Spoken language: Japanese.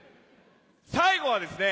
最後はですね